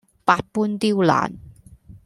百般刁難